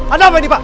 ada apa ini pak